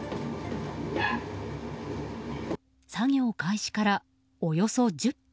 作業開始から、およそ１０分。